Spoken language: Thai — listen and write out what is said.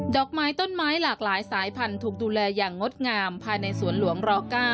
อกไม้ต้นไม้หลากหลายสายพันธุ์ถูกดูแลอย่างงดงามภายในสวนหลวงร๙